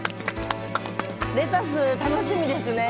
レタス楽しみですね。